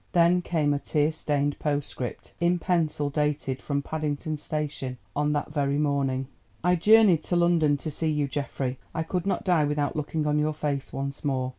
Then came a tear stained postscript in pencil dated from Paddington Station on that very morning. "I journeyed to London to see you, Geoffrey. I could not die without looking on your face once more.